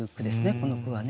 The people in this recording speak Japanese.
この句はね。